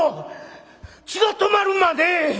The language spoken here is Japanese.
血が止まるまで！